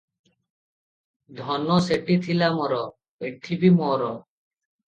ଧନ ସେଠି ଥିଲା ମୋର - ଏଠି ବି ମୋର ।